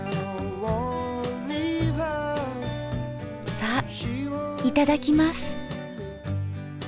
さぁいただきます。